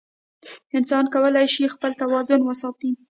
انسان کولی شي خپل توازن وساتي.